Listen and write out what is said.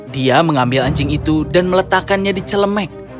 dia mengambil anjing itu dan meletakkannya di celemek